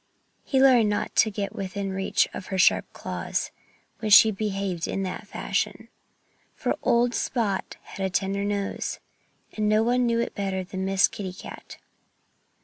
He learned not to get within reach of her sharp claws, when she behaved in that fashion. For old Spot had a tender nose. And no one knew it better than Miss Kitty Cat.